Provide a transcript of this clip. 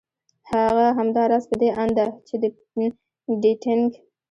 هغه همدا راز په دې اند ده چې د ډېټېنګ